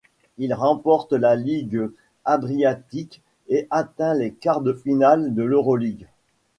Il remporte la Ligue adriatique et atteint les quart de finale de l'Euroligue.